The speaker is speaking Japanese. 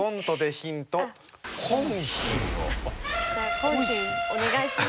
じゃあコンヒンお願いします。